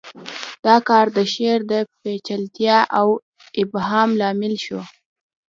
دا کار د شعر د پیچلتیا او ابهام لامل شو